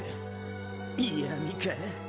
嫌みか？